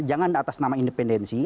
jangan atas nama independensi